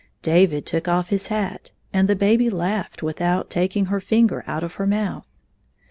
David took off his hat, and the baby laughed without taking her finger out of her mouth.